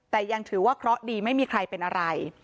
แต่ยังถือว่าเคราะห์ดีไม่มีใครเป็นอะไร